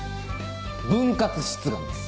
分割出願です